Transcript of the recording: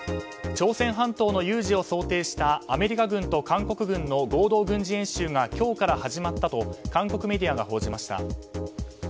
朝鮮半島の有事を想定したアメリカ軍と韓国軍の合同軍事演習が今日から始まったと韓国メディアが報じました。